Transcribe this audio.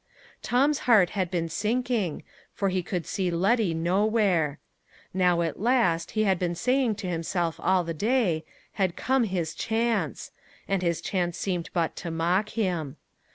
Tom's heart had been sinking, for he could see Letty nowhere. Now at last, he had been saying to himself all the day, had come his chance! and his chance seemed but to mock him.